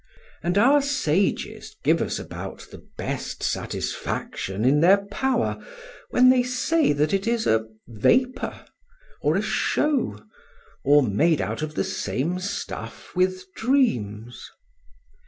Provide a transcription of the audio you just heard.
And our sages give us about the best satisfaction in their power when they say that it is a vapour, or a show, or made out of the same stuff with dreams.